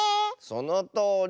そのとおり。